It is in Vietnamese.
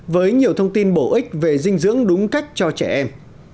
với nhiều thông tin bổ ích về dinh dưỡng đúng cách cho trẻ em